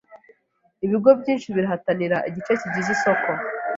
Ibigo byinshi birahatanira igice gikize cyisoko.